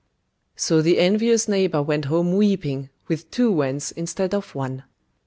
So the envious neighbour went home weeping, with two wens instead of one.